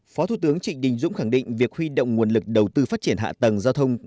phó thủ tướng trịnh đình dũng khẳng định việc huy động nguồn lực đầu tư phát triển hạ tầng giao thông